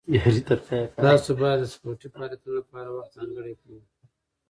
تاسو باید د سپورټي فعالیتونو لپاره وخت ځانګړی کړئ.